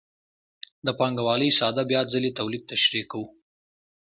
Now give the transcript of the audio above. د پانګوالۍ ساده بیا ځلي تولید تشریح کوو